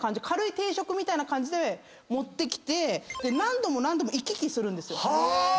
軽い定食みたいな感じで持ってきて何度も何度も行き来するんですよ。